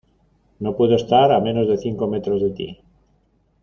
no puedo estar a menos de cinco metros de ti